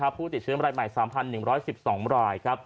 ผู้ติดเชื้อรายใหม่๓๑๑๒ราย